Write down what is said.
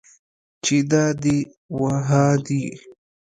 چې دا دي و ها دي.